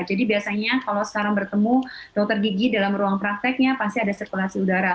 jadi biasanya kalau sekarang bertemu dokter gigi dalam ruang prakteknya pasti ada sirkulasi udara